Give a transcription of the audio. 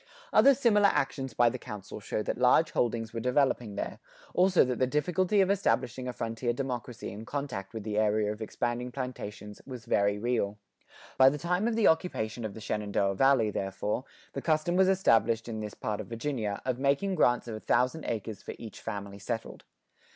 Other similar actions by the Council show that large holdings were developing there, also that the difficulty of establishing a frontier democracy in contact with the area of expanding plantations, was very real.[91:2] By the time of the occupation of the Shenandoah Valley, therefore, the custom was established in this part of Virginia,[91:3] of making grants of a thousand acres for each family settled.